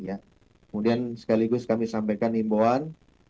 kemudian sekaligus kami sampaikan imbauan